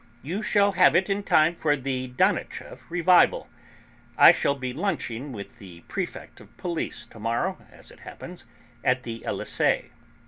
You shall have it in time for the Danicheff revival. I shall be lunching with the Prefect of Police to morrow, as it happens, at the Elysée."